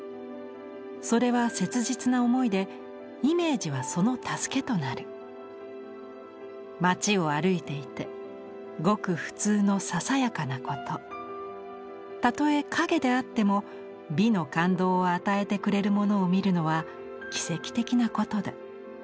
それは切実な思いでイメージはその助けとなる街を歩いていてごく普通のささやかなことたとえ影であっても美の感動を与えてくれるものを見るのは奇跡的なことだ。